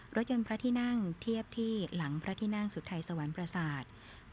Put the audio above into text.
รถยนต์พระที่นั่งเทียบที่หลังพระที่นั่งสุทัยสวรรค์ประสาท